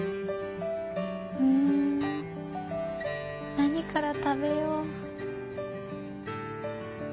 うーん何から食べよう。